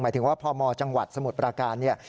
หมายถึงว่าพอมจังหวัดสมุทรประการนี่